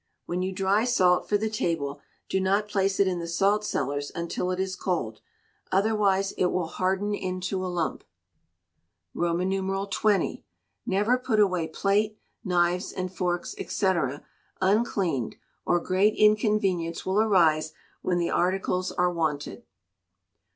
When you dry salt for the table, do not place it in the salt cellars until it is cold, otherwise it will harden into a lump. xx. Never put away plate, knives and forks, &c., uncleaned, or great inconvenience will arise when the articles are wanted.